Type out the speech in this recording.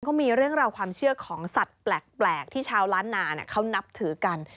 ก็มีเรื่องราวความเชื่อของสัตว์แปลกที่ชาวล้านนาเขานับถือกัน